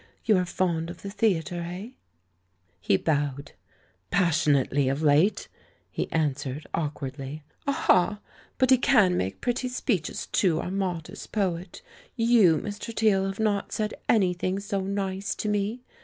You are fond of the theatre, eh?" He bowed. "Passionately of late!" he an swered awkwardly. "Aha! but he can make pretty speeches, too, our modest poet. You, Mr. Teale, have not said anything so nice to me.